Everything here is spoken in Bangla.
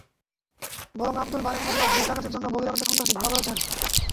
বরং আবদুল বারেক মোল্লা ভোট ডাকাতির জন্য বহিরাগত সন্ত্রাসী ভাড়া করেছেন।